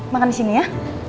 makan disini ya